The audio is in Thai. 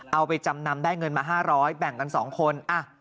เอาไปจำนำได้เงินมา๕๐๐แบ่งกัน๒คน